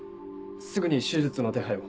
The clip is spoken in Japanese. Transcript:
すぐに手術の手配を。